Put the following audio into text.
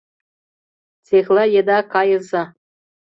— Цехла еда кайыза.